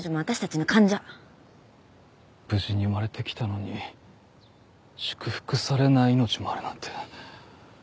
無事に生まれてきたのに祝福されない命もあるなんて。